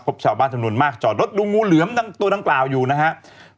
ครบชาวบ้านธนวนมากจอดนดูงูเหลือมทั้งตัวตรงเปล่าอยู่นะครับ